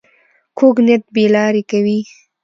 کوږ نیت بې لارې کوي